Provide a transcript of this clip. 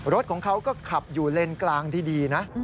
รถของเขาก็ขับอยู่เลนกลางที่ดีนะ